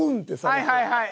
はいはいはい。